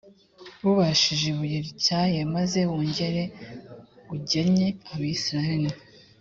ubajishe ibuye rityaye, maze wongere ugenye abayisraheli.